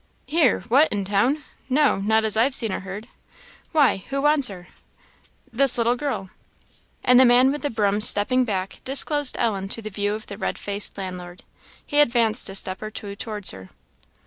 "Here? what, in town? No not as I've seen or heard. Why, who wants her?" "This little girl." And the man with the broom stepping back, disclosed Ellen to the view of the red faced landlord. He advanced a step or two towards her.